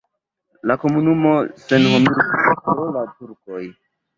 La komunumo senhomiĝis pro la turkoj.